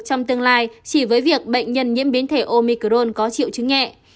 trong tương lai chỉ với việc bệnh nhân nhiễm biến thể omicron có triệu chứng nhẹ